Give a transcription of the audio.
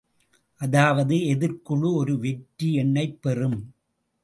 அதாவது எதிர்க்குழு ஒரு வெற்றி எண்ணைப் பெறும்.